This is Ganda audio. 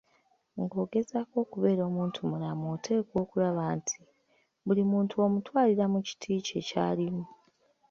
Ng'ogezaako okubeera omuntumulamu oteekwa okulaba nti, buli muntu omutwalira mu kiti kye ky'alimu.